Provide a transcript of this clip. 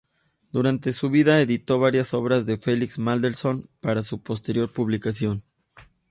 Durante su vida editó varias obras de Felix Mendelssohn para su posterior publicación.